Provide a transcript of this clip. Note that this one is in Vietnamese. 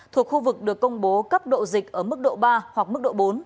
thuộc khu vực được công bố cấp độ dịch ở mức độ ba hoặc mức độ bốn